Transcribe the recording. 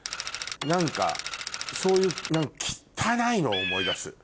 何かそういう汚いのを思い出す。